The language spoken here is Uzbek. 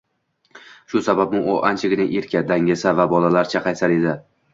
Shu sababmi,u anchagina erka, dangasa va bolalarcha qaysar edi